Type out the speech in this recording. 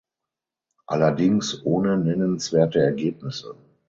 Allerdings ohne nennenswerte Ergebnisse.